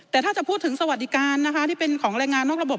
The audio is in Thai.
แต่ถ้าจะพูดถึงสวัสดิการนะคะที่เป็นของแรงงานนอกระบบ